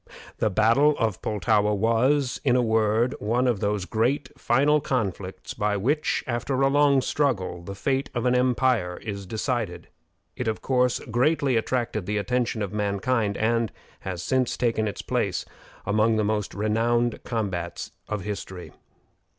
The battle of Pultowa was, in a word, one of those great final conflicts by which, after a long struggle, the fate of an empire is decided. It, of course, greatly attracted the attention of mankind, and has since taken its place among the most renowned combats of history.